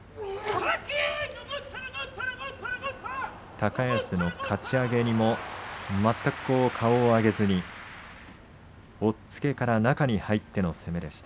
高安のかち上げにも全く顔を上げずに押っつけから中に入っての攻めでした。